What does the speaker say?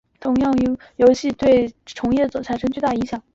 游戏同样也对众多游戏从业者产生了巨大影响。